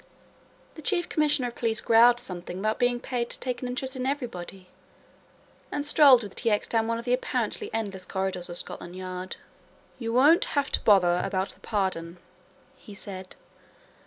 The Chief Commissioner of Police growled something about being paid to take an interest in everybody and strolled with T. X. down one of the apparently endless corridors of Scotland Yard. "You won't have any bother about the pardon," he said.